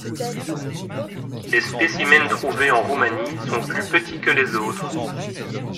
Les spécimens trouvés en Roumanie sont plus petits que les autres.